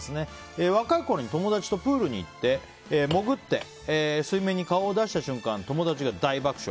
若いころに友達とプールに行って潜って水面に顔を出した瞬間友達が大爆笑。